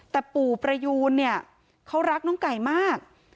แต่ปู่ประยูนเนี่ยเขารักน้องไก่มาก